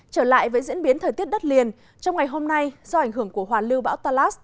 trở lại với diễn biến thời tiết đất liền trong ngày hôm nay do ảnh hưởng của hoàn lưu bão talas